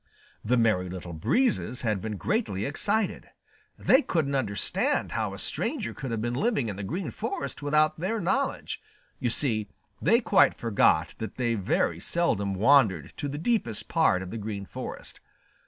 The Merry Little Breezes had been greatly excited. They couldn't understand how a stranger could have been living in the Green Forest without their knowledge. You see, they quite forgot that they very seldom wandered to the deepest part of the Green Forest.